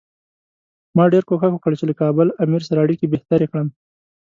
ما ډېر کوښښ وکړ چې له کابل امیر سره اړیکې بهترې کړم.